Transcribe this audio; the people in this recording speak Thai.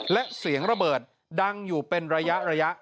และเสียงระเบิดดังอยู่เป็นระยะ